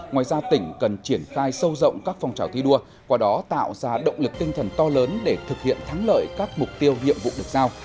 ngoài ra tỉnh cần triển khai sâu rộng các phong trào thi đua qua đó tạo ra động lực tinh thần to lớn để thực hiện thắng lợi các mục tiêu nhiệm vụ được giao